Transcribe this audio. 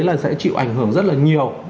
đấy là sẽ chịu ảnh hưởng rất là nhiều